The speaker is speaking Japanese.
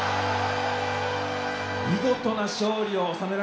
見事な勝利を収められました。